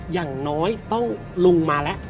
อย่างน้อยต้องลุงมาแล้ว